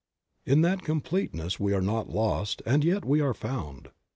In that completeness we are lost and yet we are found.